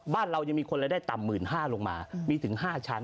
บ้านเรายังมีคนรายได้ต่ำ๑๕๐๐ลงมามีถึง๕ชั้น